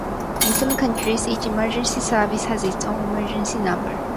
In some countries, each emergency service has its own emergency number.